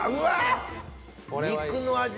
肉の味